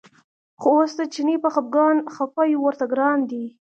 خو اوس د چیني په خپګان خپه یو ورته ګران دی.